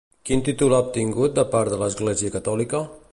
Quin títol ha obtingut de part de l'Església catòlica?